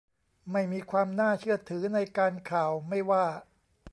ไม่มีความน่าเชื่อถือในการข่าวไม่ว่า